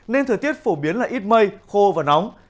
nên thời tiết phổ biến là ít mây khô và nóng